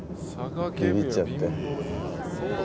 ビビっちゃって。